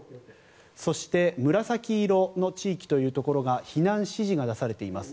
そして紫色の地域というところが避難指示が出されています。